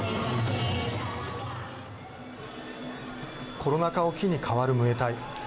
コロナ禍を機に変わるムエタイ。